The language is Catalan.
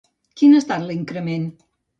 Quin ha estat l'increment?